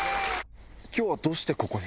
今日はどうしてここに？